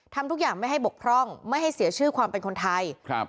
ทำทุกอย่างไม่ให้บกพร่องไม่ให้เสียชื่อความเป็นคนไทยครับ